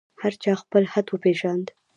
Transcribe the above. هر چا خپل حد وپېژاند.